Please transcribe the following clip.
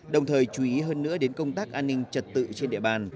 đồng thời chú ý hơn nữa đến công tác an ninh trật tự trên địa bàn